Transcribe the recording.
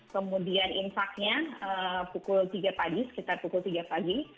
kemudian infaknya pukul tiga pagi